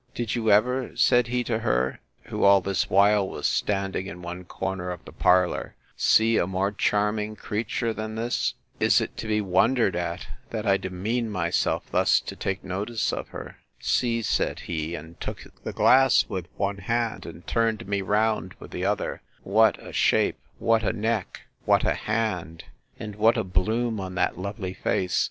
—Did you ever, said he to her, (who all this while was standing in one corner of the parlour,) see a more charming creature than this? Is it to be wondered at, that I demean myself thus to take notice of her?—See, said he, and took the glass with one hand, and turned me round with the other, what a shape! what a neck! what a hand! and what a bloom on that lovely face!